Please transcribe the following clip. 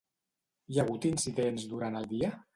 Hi ha hagut incidents durant el dia?